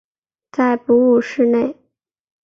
在哺乳室内